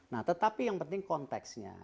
nah tetapi yang penting konteksnya